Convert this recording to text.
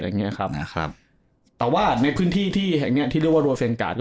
แต่ว่าในพื้นที่ที่เรียกว่าโรเซนการ์ด